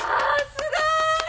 すごーい！